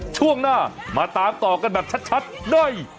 ช่วงหน้ามาตามต่อกันแบบชัดด้วย